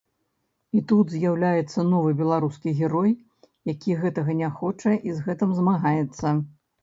І тут з'яўляецца новы беларускі герой, які гэтага не хоча і з гэтым змагаецца.